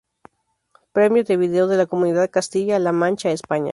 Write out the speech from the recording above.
Premio de Vídeo de la Comunidad Castilla-La Mancha, España.